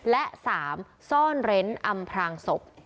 และ๓ซ่อนเร้นอำพรางศพ